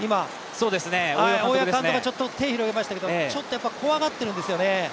大岩監督がちょっと手を広げましたけど、怖がってるんですよね。